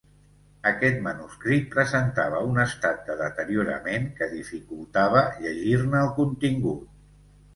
Aquest manuscrit presentava un estat de deteriorament que dificultava llegir-ne el contingut.